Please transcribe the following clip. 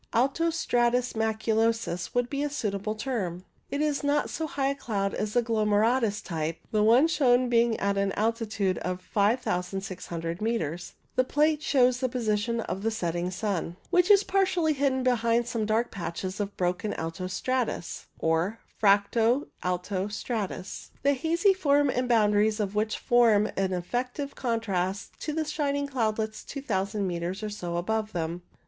Alto stratus maculosus would be a suitable term. It is not so high a cloud as the glomeratus type, the one shown being at an altitude of about 5600 metres. The plate shows the position of the setting sun. > CO o <> 3 ^ 5 IE S Ul ~ ALTO STRATUS 69 which is partly hidden behind some dark patches of broken alto stratus (fracto alto stratus), the hazy form and boundaries of which form an effective contrast to the shining cloudlets 2000 metres or so above them.